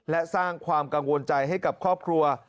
และสร้างความกังวลใจให้กับครอบครัว